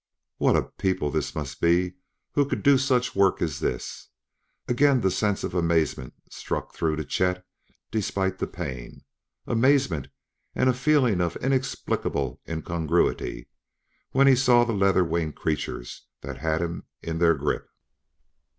What a people this must be who could do such work as this! Again the sense of amazement struck through to Chet despite the pain amazement and a feeling of an inexplicable incongruity when he saw the leather winged creatures that had him in their grip.